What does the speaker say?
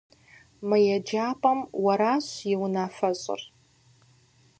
Мы еджапӀэм уэращ и унафэщӀыр.